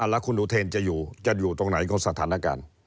แล้วคุณอุเทนจะอยู่จะอยู่ตรงไหนก็สถานการณ์